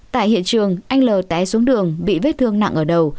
tại hiện trường anh l té xuống đường bị vết thương nặng ở đầu